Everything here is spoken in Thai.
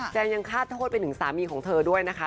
ยังยังคาดโทษไปถึงสามีของเธอด้วยนะคะ